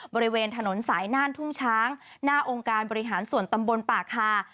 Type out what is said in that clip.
บริเวณถนนสายน่านทุ่งช้างหน้าองค์การบริหารส่วนตำบลป่าคา